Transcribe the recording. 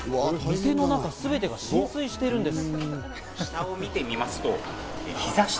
店の中すべてが浸水しているんです。